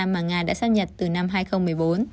mà nga đã xác nhận từ năm hai nghìn một mươi bốn